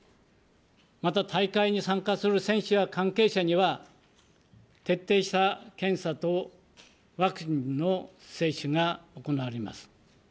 また大会に参加する選手や関係者には、徹底した検査とワクチンの接種が行われます。